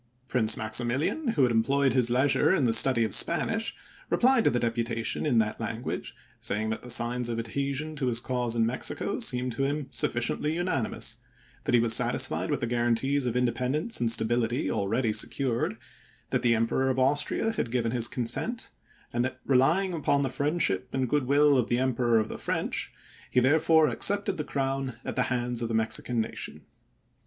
Prince Maximilian, who had employed his leisure in the study of Spanish, replied to the deputation in that language, saying that the signs of adhesion to his cause in Mexico seemed to him sufficiently unanimous ; that he was satisfied with the guaran tees of independence and stability already secured ; that the Emperor of Austria had given his consent ; and that, relying upon the friendship and good will of the Emperor of the French, he therefore ac cepted the crown at the hands of the Mexican nation.